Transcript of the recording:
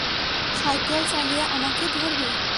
Cycle চালিয়ে আমাকে ধরবি?